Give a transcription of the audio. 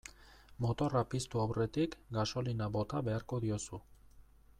Motorra piztu aurretik gasolina bota beharko diozu.